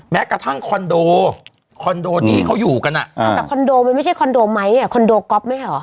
แม้กระทั่งคอนโดคอนโดนี้เขาอยู่กันอะแต่คอนโดมันไม่ใช่คอนโดไม้เนี่ยคอนโดก๊อปมั้ยหรอ